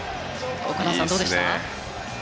岡田さん、どうでした？